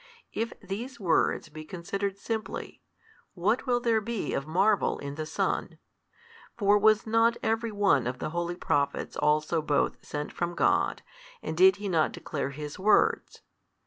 If these words be considered simply, what will there be of marvel in the Son? For was not every one of the holy Prophets also both sent from God, and did he not declare His words?